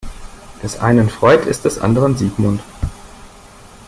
Des einen Freud ist des anderen Sigmund.